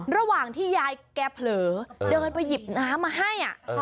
ระหว่างที่ยายแกเผลอเดินไปหยิบน้ำมาให้